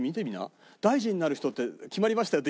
大臣になる人って決まりましたよって